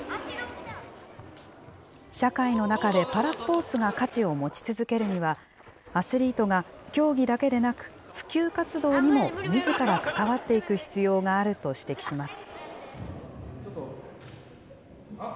社会の中でパラスポーツが価値を持ち続けるには、アスリートが競技だけでなく、普及活動にもみずから関わっていく必要があると指摘します。